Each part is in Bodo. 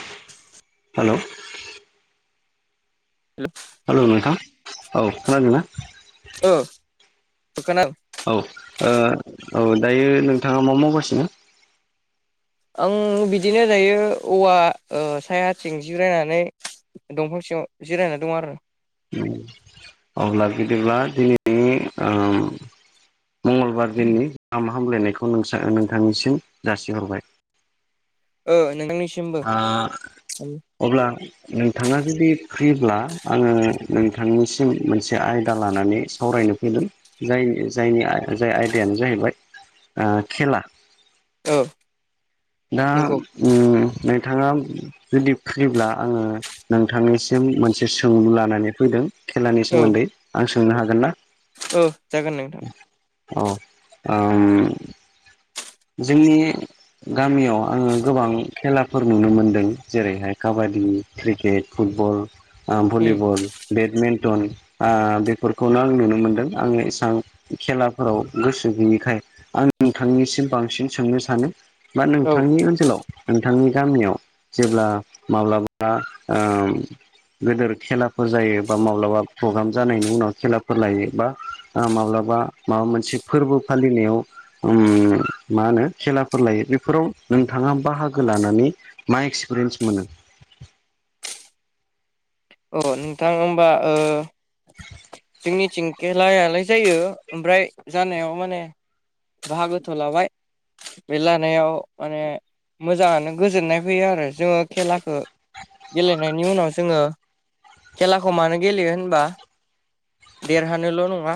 [inaudible] हेलौ [unintelligible] हेलौ नोंथां औ खोनादोंना खोना औ ओ औ दायो नोंथाङा मा मावगासिनो आं बिदिनो दायो औवा सायाथिं जिरायनानै दंफां सिं सिं जिरायना दङ आरो उम अब्ला बिदिब्ला दिनैनि ओ मंगलबार दिननि गाहाम हामलायनायखौ नोंसा नोंथांनिसिम जासिहरबाय ओ नोंथांनिसि आ अब्ला नोंथाङा जुदि फ्रिब्ला आङो नोंथांनिसिम मोनसे आयदा लानानै सावराय जाय जाय आयदायानो जाहैबाय खेला औ दा नंगौ उम बे नोंथाङा जुदि फ्रिब्ला आङो नोंथांनिसिम मोनसे सोंलु लानानै फैदों खेलानि औ सोमोन्दै आं सोंनो हागोनना औ जागोन नोंथां औ ओ जोंनि गामियाव आङो गोबां खेलाफोर नुनो मोनदों जेरैहाय काबादि क्रिकेट फुठ बल उम भलिबल बेडमिन्टन ओ बेफोरखौनो आं नुनो मोनदों आङो एसेबां खेलाफोराव गोसो गैयैखाय आं नोंथांनिसिम बांसिन सोंनो सानो बा औ नोंथांनि ओनसोलाव नोंथांनि गामियाव जेब्ला माब्लाबा गेदेर खेलाफोर जायो बा माब्लाबा प्रग्राम जानायनि उनाव खेलाफोर लायो बा माब्लाबा बा माबा मोनसे फोरबो फालिनायाव ओम मा होनो खेलाफोर लायो बेफोराव नोंथाङा बाहागो लानानै मा एक्सपिरियेन्स मोनो [inaudible] अ नोंथां होमबा ओ जोंनिथिं खेलायालाय जायो ओमफ्राय जानायाव माने बाहागोथ लाबाय बे लानायाव माने मोजाङानो गोजोननाय फैयो आरो जोङो खेलाखौ गेलेनायनि उनाव जोङो खेलाखौ मानो गेलेयो होनबा देरहानोल' नङा।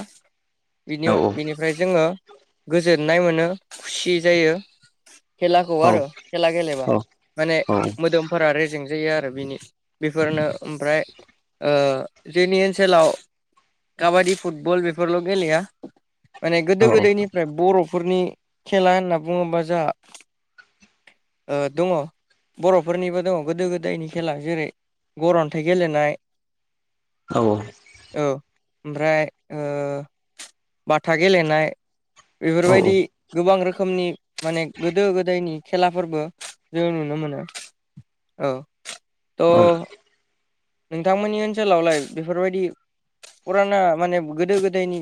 बिनि औ बिनिफ्राय जोङो गोजोननाय मोनो खुसि जायो। खेलाखौ औ आरो खेला गेलेबा औ माने औ मोदोमफोरा रेजें जायो आरो बेफोरनो ओमफ्राय ओ जोंनि ओनसोलाव काबादि फुटबल बेफोरल' गेलेया माने गोदो औ गोदायनिफ्राय बर'फोरनि खेला होनना बुङोबा जोंहा दङ' बर'फोरनिबो दङ गोदो गोदायनि खेला जेरै गर अ- नाथाइ गेलेनाय औ औ ओमफ्राय ओ बाथा गेलेनाय बेफोरबायदि गोबां रोखोमनि माने गोदो गोदायनि खेलाफोरबो जों नुनो मोनो औ औ थ' नोंथांमोननि ओनसोलावलाय बेफोरबायदि फुराना माने गोदो गोदायनि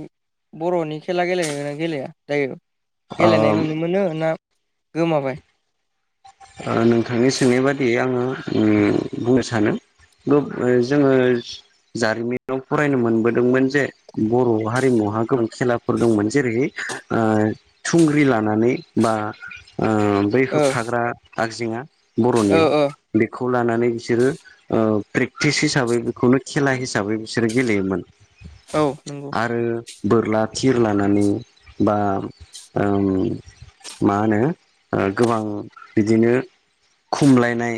बर'नि खेला गेलेगोनना गेलेया दायो? गेलेनाय औ ओ नुनो मोनो ना गोमाबाय? ओ नोंथांनि सोंनाय बादियै आङो उम बुंनो सानो। गुब ओ जोङो जारिमिनाव आं फरायनो मोनबोदोंमोन जे बर' हारिमुहा गोबां खेलाफोर दंमोन। जेरै ओ थुंग्रि लानानै बा ओ बै ओ होबथाग्रा आगजेङा ओ बर'निया ओ बेख खौ लानानै बिसोरो ओ प्रेक्टिस हिसाबै बेखौनो खेला हिसाबै बिसोरो गेलेयोमोन। औ नोंगौ। आरो बोरला थिर लानानै बा ओम मा होनो ओ गोबां बिदिनो खमलायनाय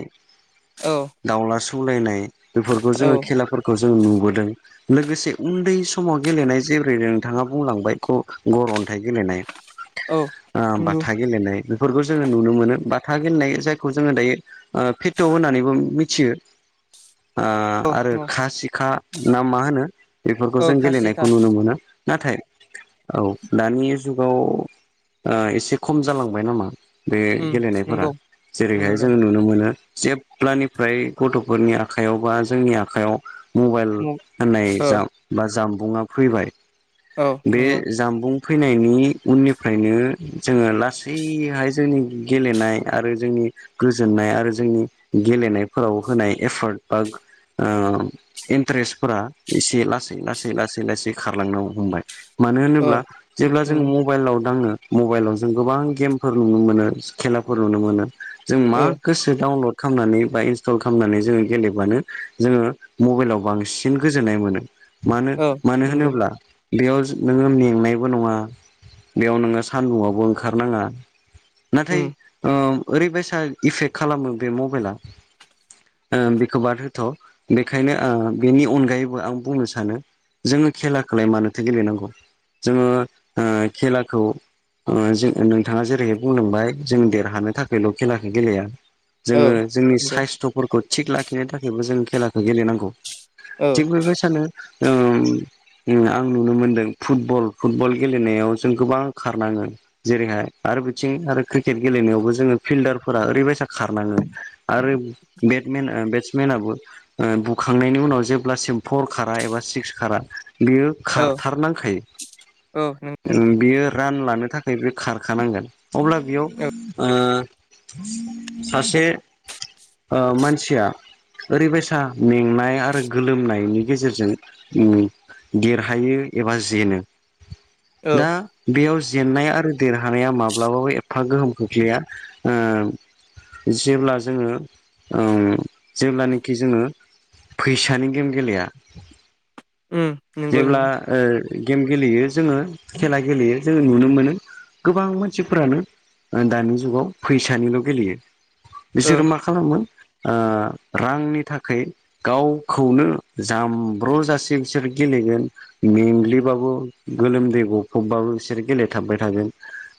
औ दाउला सौलायनाय बेफोरखौ औ जोङो खेलाफोरखौ जों नुबोदों लोगोसे उन्दै समाव गेलेनाय जेरै नोंथाङा बुंलांबाय ग गर अन अन्थाय गेलेनाय औ ओ नंगौ बाथा गेलेनाय बेफोरखौ जोङो नुनो मोनो बा था गेलेनाय जायखौ जोङो दायो ओ फिथु होननानैबो मिथियो। आ आरो नंगौ खा सिखा ना मा होनो बेफोरखौ ओ जों खासिखा गेलेनायखौ नुनो मोनो। नाथाय औ दानि जुगाव ओ एसे खम जालांबाय नामा। बे उम गेलेनायफोरा नंगौ जेरैहाय जों नंगौदां नुनो मोनो जेब्लानि फ्राय गथ'फोरनि आखायाव बा जोंनि आखायाव मबाइल ओ होननाय जा बा जामबुंआ फैबाय औ बे नंगौ जामबुं फैनायनि उननिफ्रायनो जोङो लासैहाय जोंनि गेलेनाय आरो जोंनि नि गोजोननाय आरो जोंनि गेलेनाय फोराव होनाय एफार्ट बा ओ इन्ट्रेस फोरा एसे लासै लासै ला सै लासै खारलांनो हमबाय। मानो ओ होनोब्ला जेब्ला जोङो नंगौ मबाइलाव दाङो मबाइलाव जों गोबां गेमफोर नुनो मोनो खेलाफोर नुनो मोनो जों मा ओ गोसो डाउनलड खामनानै बा इनस्टल खालामनानै जोङो गेलेबानो जोङो मबाइलाव बांस सिन गोजोननाय मोनो मानो औ मानो नंगौ होनोब्ला बेयाव नोङो मेंनायबो नङा बेयाव नोङो सानदुङावबो ओंखारनाङा। नाथाय उम ओ ओरैबायसा इफेक्ट खालामो बे मबाइला ओ बिखौ बाद होथ' बेखायनो ओ बेनि अनगायैबो आं बुंनो सानो जोङो खेलाखोलाय मानोथो गेलेनांगौ। जोङो ओ खेलाखौ ओ जो नोंथाङा जेरैहाय बुंलांबाय जों देरहानो थाखायल' खेलाखौ गेलेया। औ जोङो जोंनि नंगौ साइस्थ'फोरखौ थिग लाखिनो थाखायबो जों खेलाखौ गेलेनांगौ। औ थिग बेबायसानो ओम उम आं नुनो मोनदों फुटबल फुटबल गेलेनायाव जों गोबां खारनाङो। जेरैहाय आ आरो बिथिं आरो क्रिकेट गेलेनायावबो जोङो फिल्डारफोरा ओरैबायसा खारनाङो आरो बेटमेन ओ बेट्समेनाबो ओ बुखांनायनि उनाव जेब्लासिम फर खारा एबा सिक्स खारा बियो औ खारथारनांखायो। औ नंगौ ओ बियो रान लानो थाखाय बे खारखानांगोन अब्ला बेयाव ओ औ सासे ओ मानसिया ओरैबायसा मेंनाय आरो गोलोमनायनि गेजेरजों उम देरहायो एबा जेनो। औ दा बेयाव जेननाय आरो देरहानाया माब्लाबाबो एफा गोहोम खोख्लैया। ओ जेब्ला जोङो ओम जेब्लानिखि जोङो फैसानि गेम गेलेया उम नंगौ जेब्ला नंगौ ओ गेम गेलेयो जोङो खेला गेलेयो जोङो नुनो मोनो गोबां मानसिफोरानो ओ दानि जुगाव फैसानिल' गेलेयो ओ बिसोरो मा खालामोमोन ओ रांनि थाखाय गावखौनो जामब्र' जासे बिसोर गेलेगोन मेंग्लिबाबो गोलोमदै गफबबाबो बिसोर गेलेथाबबाय थागोन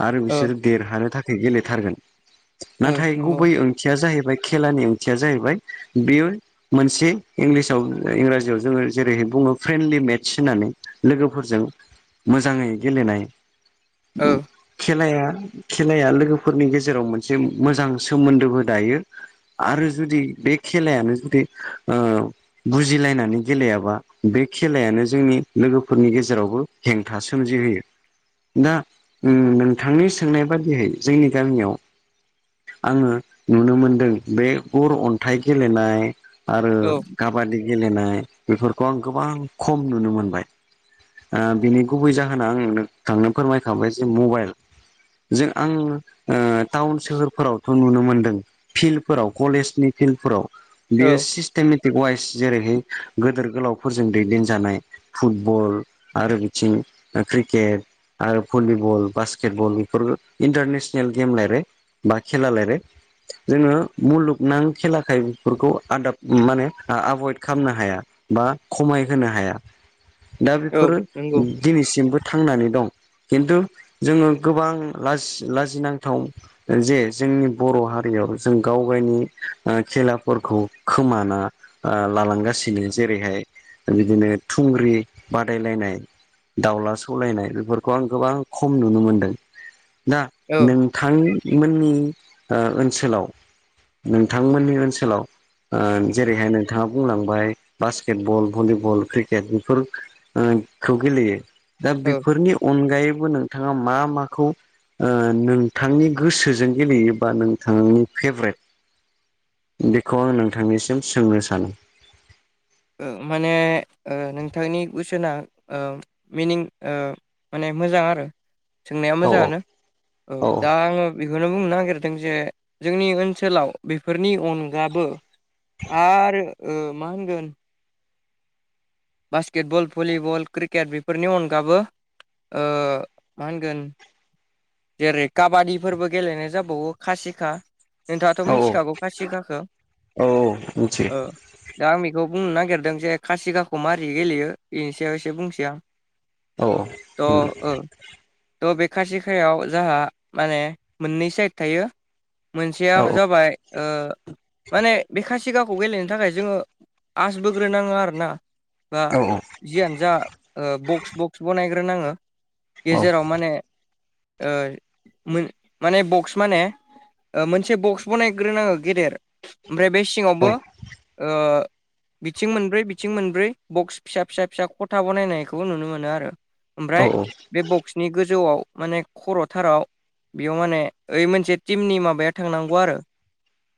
आरो ओ बिसोर देरहानो थाखाय गेलेथारगोन ओ नाथाय नंगौ गुबै ओंथिया जाहैबाय खेलानि ओंथिया जाहैबाय बेयो मोनसे इंलिसाव इंराजियाव जोङो जेरैहाय बुङो फ्रेन्डलि मेटस होननानै लोगोफोरजों मोजाङै गेलेनाय औ खेलाया खेलाया लोगोफोरनि गेजेराव मोनसे मोजां सोमोन्दोबो दायो आरो जुदि बे खेलायानो जुदि बुजिलायनानै गेलेयाबा बे खेलायानो जोंनि लोगोफोरनि गेजेरावबो हेंथा सोमजिहोयो दा नोंथांनि सोंनाय बादियै जोंनि गामियाव आङो नुनो मोनदों बे गर अन्थाइ गेलेनाय आरो औ काबादि गेलेनाय बेफोरखौ आं गोबां खम नुनो मोनबाय बिनि गुबै जाहोना आं नोंथांनो फोरमायखाबाय जे मबाइल जों आं टाउन सोहोरफोरावथ' नुनो मोन्दों फिल्डफोराव कलेजनि फिल्डफोराव औ बेयो सिस्टेमेटिक वाइस जेरैहाय गोदोर गोलावफोरजों दैदेनजानाय फुटबल आरो बिथिं क्रिकेट आरो भलिबल बास्केट बल बेफोर इन्टारनेसनेल गेम लाबाय बा खेला लाबाय जोङो मुलुगनां खेलाखाय बेफोरखौ आदाब माने एभयड खालामनो हाया बा खमायहोनो हाया दा औ बेफोर नंगौ दिनैसिमबो थांनानै दं खिन्थु जोङो गोबां लाज लाजिनांथाव जे जोंनि बर' हारि याव जों गाव गायनि खेलाफोरखौ खोमाना लालांगासिनो जेरैहाय बिदिनो थुंग्रि बादायलायनाय दावला सौलायनाय बेफोरखौ आं गोबां खम नुनो मोनदों दा औ नोंथांमोननि ओनसोलाव नोंथांमोननि ओनसोलाव ओ जेरैहाय नोंथाङा बुंलांबाय बास्केट बल भलिबल क्रिकेट बेफोरखौ गेलेयो दा औ बेफोरनि अनगायैबो नोंथाङा मा माखौ ओ नोंथांनि गोसोजों गेलेयोबा नोंथांनि फेभ्रेट बेखौ आं नोंथांनिसिम सोंनो सानो माने नोंथांनि कुइसना ओ मिनिं माने मोजां आरो सोंनाया औ मोजाङानो औ दा आङो बेखौनो बुंनो नागिरदों जे जोंनि ओनसोलाव बेफोरनि अनगाबो आरो ओ मा होनगोन बास्केटबल भलिबल क्रिकेट बेफोरनि अनगाबो ओ मा होनगोन जेरै काबादिफोरबो गेलेनाय जाबावो खासिखा नोंथाङाथ' औ मिथिखागौ खासिगाखो औ मिथियो ओ दा आं बेखौ बुंनो नागिरदों जे खासिगाखौ मारै गेलेयो बेनि सायाव एसे बुंसै आं औ औ थ' ओ थ' बे खासिखायाव जाहा माने मोननै साइड थायो मोनसेया औ जाबाय ओ माने बे खासिगाब खौ गेलेनो थाखाय जोङो आस बोग्रोनाङो आरो ना बा औ औ जियानो जा ओ बक्स बक्स बनायग्रोनाङो गेजेराव माने ओ माने बक्स माने मोनसे बक्स बानायग्रोन आङो गेदेर ओमफ्राय बे सिङावबो ओ बिथिं मोनब्रै बिथिं मोनब्रै बक्स फिसा फिसा फिसा खथा बनायनायखौबो नुनो मोनो आरो ओमफ्राय बे बक्सनि गोजौआव माने खर'थाराव बेयाव माने ओइ मोनसे टिमनि माबाया थांनांगौ आरो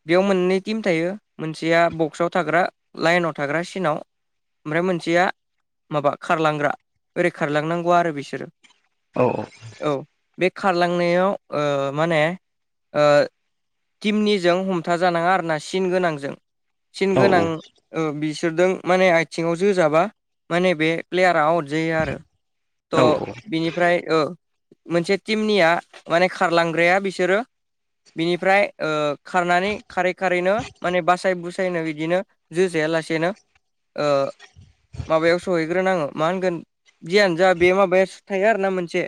बेयाव मोननै टिम थायो मोनसेया बक्सआव थाग्रा लाइनाव थाग्रा सिनाव ओमफ्राय मोनसेया माबा खारलांग्रा ओरै खारलांनांगौ आरो बिसोरो औ औ औ बे खारलांनायाव ओ माने ओ टिमनिजों हमथा जानाङा आरोना सिन गोनांजों सिन गोनां ओ बि बिसोरदों माने आथिङाव जो जाबा माने बे प्लेयारा आउट जायो आरो थ' बिनिफ्राय ओ मोनसे टिमनिया माने खारलांग्राया बिसोरो बिनिफ्राय ओ खारनानै खारै खारैनो माने बासाय बुसायनो बिदिनो जोजाया लासेनो ओ माबायाव सहैग्रोनाङो मा होनगोन जियानो जा बे माबाया सु थायो आरोना मोनसे।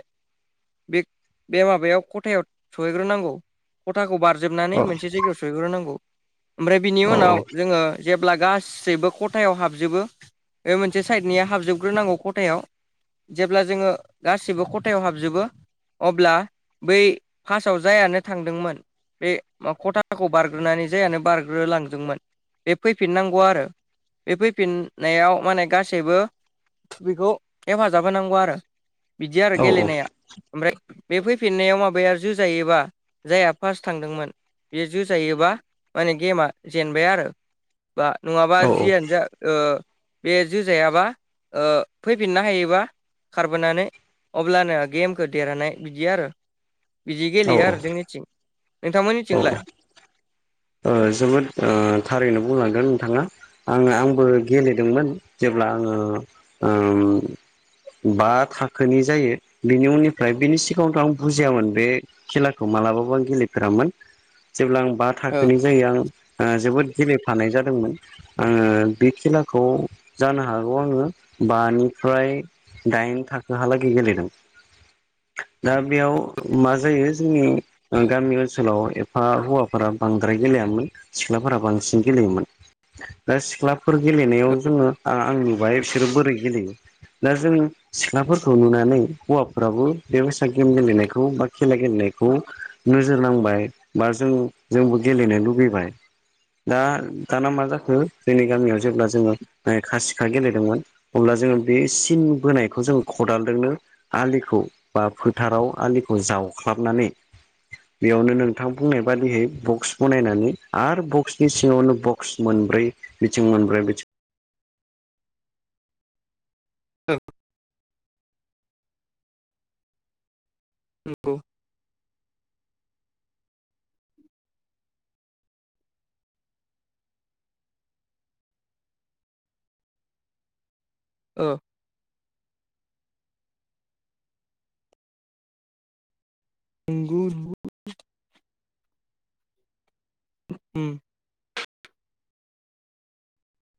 बे बे माबायाव खथायाव सहैग्रोनांगौ खथाखौ बारस' जोबनानै मोनसे जायगायाव सहैग्रोनांगौ। ओमफ्राय बिनि उनाव जोङो जे ब्ला गासैबो खथायाव हाबजोबो बे मोनसे साइडनिया हाबजोबग्रोनांगौ खथायाव। जेब्ला जोङो गासिबो खथायाव हाबजोबो अब्ला बै फासाव जायानो थांदोंमोन। बे मा खथाखौ बारग्रोनानै जायानो बारग्रोलांदोंमोन। बे फैफिननांगौ आरो। बे फैफिननायाव माने गासैबो। बेखौ हेफाजाब होनांगौ आरो बिदि आरो गेलेनाया ओमफ्राय बे फैफिननायाव माबाया जोजायोबा जायहा फार्स थांदोंमोन। बेयो जोजायोबा माने गेमा जेनबाय आरो बा नङाबा जियानो जा ओ बे जोजायाबा ओ फैफिननो हायोबा खारबोनानै। अब्लानो गेमखौ देरहानाय बिदि आरो बिदि औ गेलेयो औ आरो जोंनिथिं। औ नोंथांमोननिथिंलाय ओ जोबोद ओ थारैनो बुंलांगोन नोंथाङा आं आंबो गेलेदोंमोन जे ब्ला आङो ओम बा थाखोनि जायो बिनि उननिफ्राय बिनि सिगाङावथ' आं बुजियामोन बे खेलाखौ। मालाबाबो आं गेलेफेरामोन जेब्ला आं बा औ थाखोनि जायो आं ओ जोबोद गेलेफानाय जादोंमोन ओ बे खेलाखौ जानो हागौ आङो बानि फ्राय दाइन थाखोहालागै गेलेदों। दा बेयाव मा जायो जोंनि ओ गामि ओनसोलाव एफा हौवाफोरा। बांद्राय गेलेयामोन सिख्लाफोरा बांसिन गेलेयोमोन दा सिख्ला फोर गेलेनायाव जोङो आ आं नुबाय बिसोरो बोरै गेलेयो। दा जों सिख्लाफोरखौ नुनानै हौवाफ्राबो बेबायसा गेम गेलेनायखौ बा खेला गेलेनाय खौ नोजोर नांबाय बा जों जोंबो गेलेनो लुबैबाय। दा दाना मा जाखो जोंनि गामियाव जेब्ला जोङो खासिखा गेलेदोंमोन अब्ला जोङो बि सिन बोनायखौ जों खदालदोंनो आलिखौ बा फोथाराव आलिखौ जा जावख्लाबनानै बेयावनो नोंथां बुंनाय बादियै बक्स बनायनानै आरो बक्सनि सिङावनो बक्स मोनब्रै बिथिं मोनब्रै बिथिं [inaudible] [unintelligible] नंगौ। औ [unintelligible] उम